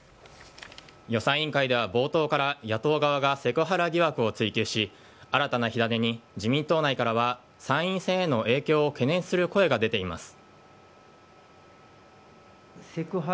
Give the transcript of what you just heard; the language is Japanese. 予算委員会では冒頭から野党側がセクハラ疑惑を追及し新たな火種に、自民党内からは参院選への影響を懸念する声が出ています。